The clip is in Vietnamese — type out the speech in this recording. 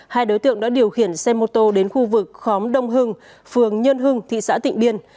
hai đối tượng đã điều khiển xe mô tô đến khu vực khóm đông hưng phường nhân hưng thị xã tịnh biên